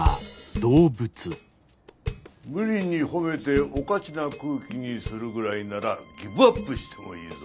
無理に褒めておかしな空気にするぐらいならギブアップしてもいいぞ。